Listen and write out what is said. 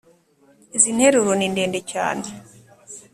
izi nteruro ni ndende cyane